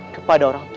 kepada orang tua